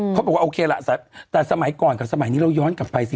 เขาบอกว่าโอเคล่ะแต่สมัยก่อนกับสมัยนี้เราย้อนกลับไปสิ